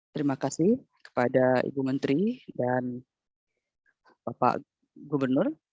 terima kasih kepada ibu menteri dan bapak gubernur